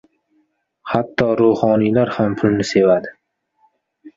• Hatto ruhoniylar ham pulni sevadi.